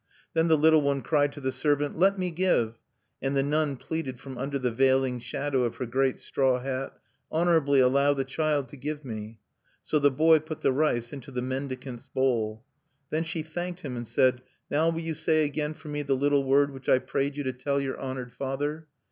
Then the little one cried to the servant, "Let me give!" and the nun pleaded from under the veiling shadow of her great straw hat: "Honorably allow the child to give me." So the boy put the rice into the mendicant's bowl. Then she thanked him, and asked: "Now will you say again for me the little word which I prayed you to tell your honored father?"